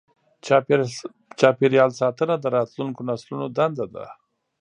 چاپېریال ساتنه د راتلونکو نسلونو دنده ده.